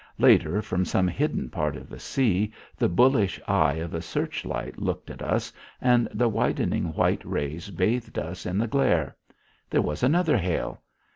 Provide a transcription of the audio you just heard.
Later, from some hidden part of the sea, the bullish eye of a searchlight looked at us and the widening white rays bathed us in the glare. There was another hail.